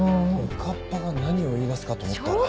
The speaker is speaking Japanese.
おかっぱが何を言い出すかと思ったら。